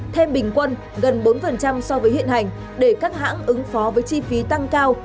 thêm bình quân gần bốn so với hiện hành để các hãng ứng phó với chi phí tăng cao